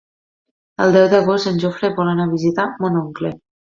El deu d'agost en Jofre vol anar a visitar mon oncle.